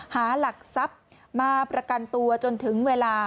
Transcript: หาหลักทรัพย์มาประกันตัวจนถึงเวลา